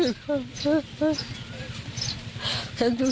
คุณสังเงียมต้องตายแล้วคุณสังเงียม